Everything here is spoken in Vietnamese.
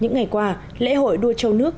những ngày qua lễ hội đua châu nước